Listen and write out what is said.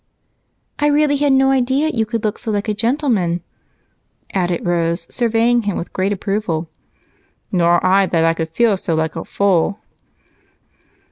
"I really had no idea you could look so like a gentleman," added Rose, surveying him with great approval. "Nor that I could feel so like a fool."